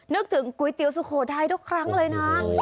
นึกถึงก๋วยเตี๋ยวสุโขทัยทุกครั้งเลยนะ